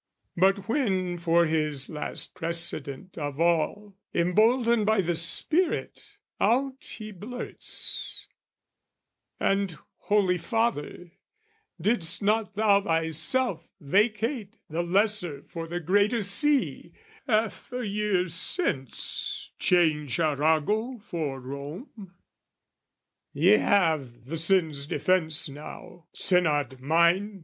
"But when, for his last precedent of all, "Emboldened by the Spirit, out he blurts "'And, Holy Father, didst not thou thyself "'Vacate the lesser for the greater see, "'Half a year since change Arago for Rome?' "' Ye have the sin's defence now, synod mine!'